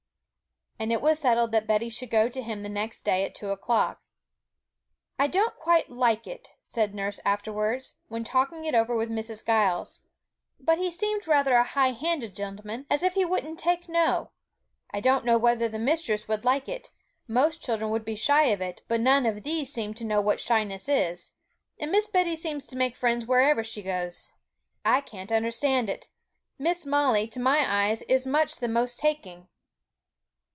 And it was settled that Betty should go to him the next day at two o'clock. 'I don't quite like it,' said nurse afterwards, when talking it over with Mrs. Giles; 'but he seemed rather a high handed gentleman, as if he wouldn't take no. I don't know whether the mistress would like it, most children would be shy of it, but none of these seem to know what shyness is; and Miss Betty seems to make friends wherever she goes. I can't understand it; Miss Molly, to my eyes, is much the most taking!'